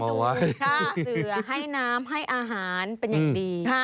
เศรือให้น้ำให้อาหารเป็นอย่างดี